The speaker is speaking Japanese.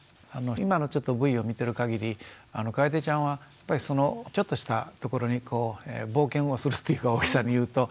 今のちょっとＶを見てる限りかえでちゃんはちょっとしたところに冒険をするというか大げさに言うと。